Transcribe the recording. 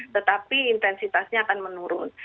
tetapi intensitasnya akan menurun